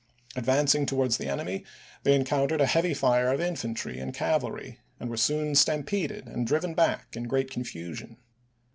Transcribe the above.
Advancing towards the ofi864e 65ar' enemy they encountered a heavy fire of infantry pp. ng m. and artillery, and were soon stampeded and driven back in great confusion.